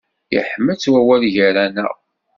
Yeḥma-tt wawal gar-aneɣ.